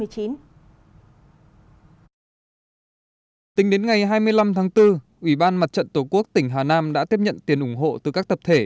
tính đến ngày hai mươi năm tháng bốn ủy ban mặt trận tổ quốc tỉnh hà nam đã tiếp nhận tiền ủng hộ từ các tập thể